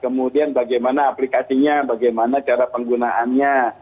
kemudian bagaimana aplikasinya bagaimana cara penggunaannya